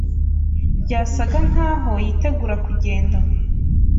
Byasaga nkaho yitegura kugenda.